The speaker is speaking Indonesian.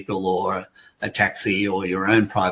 atau mobil pribadi anda sendiri